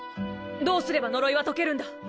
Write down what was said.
どうすれば呪いは解けるんだ？